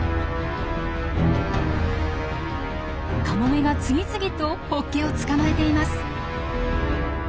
カモメが次々とホッケを捕まえています。